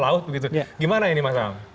laut gitu gimana ini mas